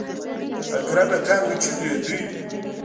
اکرم اکا وچغېده.